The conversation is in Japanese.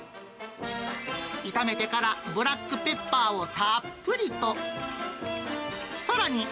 炒めてからブラックペッパーをたっぷりと。